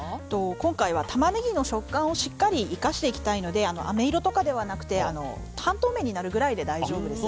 今回はタマネギの食感をしっかり生かしていきたいのであめ色とかではなくて半透明になるぐらいで大丈夫です。